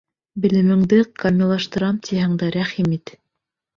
Белемеңде камиллаштырам тиһәң дә, рәхим ит!